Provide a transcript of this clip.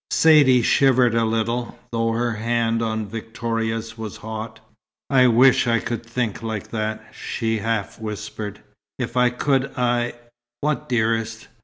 Saidee shivered a little, though her hand on Victoria's was hot. "I wish I could think like that," she half whispered. "If I could, I " "What, dearest?"